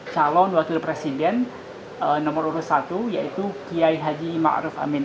calon wakil presiden nomor urut satu yaitu k h maruf amin